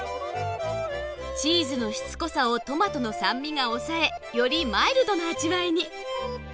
チーズのしつこさをトマトの酸味が押さえよりマイルドな味わいに。